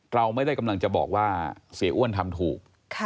เราไม่ได้กำลังจะบอกว่าเสียอ้วนทำถูก